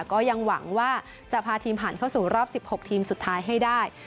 ก็ยังหวังว่าจะพาทีมผ่านเข้าสู่รอบ๑๖ทีมสุดท้ายให้ได้